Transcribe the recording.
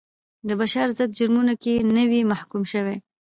د بشر ضد جرمونو کې نه وي محکوم شوي.